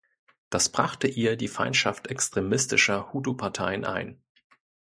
Das brachte ihr die Feindschaft extremistischer Hutu-Parteien ein.